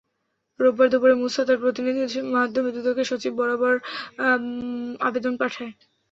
রোববার দুপুরে মুসা তাঁর প্রতিনিধির মাধ্যমে দুদকের সচিব বরাবর আবেদন পাঠান।